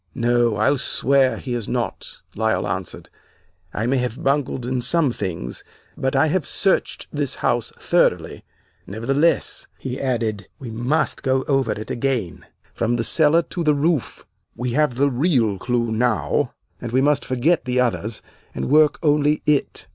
"'No, I'll swear he is not,' Lyle answered. 'I may have bungled in some things, but I have searched this house thoroughly. Nevertheless,' he added, 'we must go over it again, from the cellar to the roof. We have the real clew now, and we must forget the others and work only it.